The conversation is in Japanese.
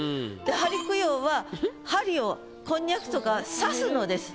針供養は針をこんにゃくとか刺すのです。